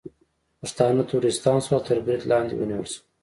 پښتانه ترورستان شول او تر برید لاندې ونیول شول